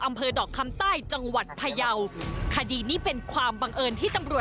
อำเภอดอกคำใต้จังหวัดพยาวคดีนี้เป็นความบังเอิญที่ตำรวจ